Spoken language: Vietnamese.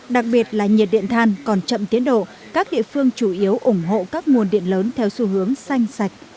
tài nhiệt điện than còn chậm tiến độ các địa phương chủ yếu ủng hộ các nguồn điện lớn theo xu hướng xanh sạch